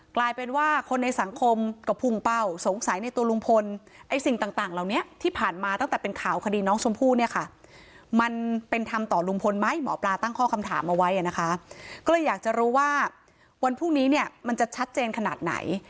กลายเป็นว่าคนในสังคมกระพุงเป้าสงสัยในตัวลุงพลไอ้สิ่งต่างเหล่านี้ที่ผ่านมาตั้งแต่เป็นข่าวคดีน้องชมพู่เนี่ยค่ะ